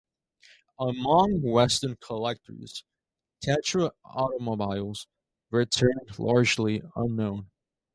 Among western collectors, Tatra automobiles remain largely unknown.